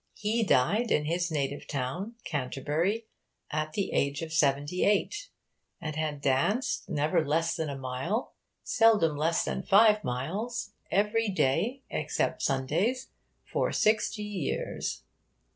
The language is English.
He died in his native town, Canterbury, at the age of seventy eight; and had danced never less than a mile, seldom less than five miles every day, except Sunday, for sixty years.